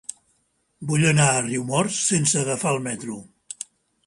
Vull anar a Riumors sense agafar el metro.